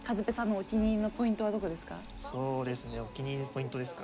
お気に入りのポイントですか。